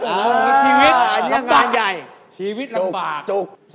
โอ้โหชีวิตอันนี้งานใหญ่ชีวิตลำบาก